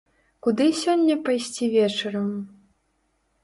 Куды сёння пайсці вечарам?